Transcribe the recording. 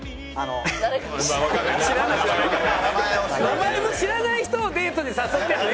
名前も知らない人をデートに誘ってるの？